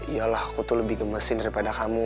yalah aku tuh lebih gemesin daripada kamu